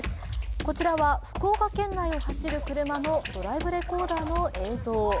こちらは福岡県内を走る車のドライブレコーダーの映像。